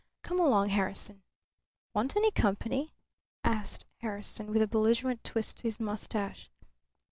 Come along, Harrison." "Want any company?" asked Harrison, with a belligerent twist to his moustache.